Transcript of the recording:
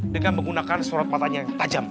dengan menggunakan sorot matanya tajam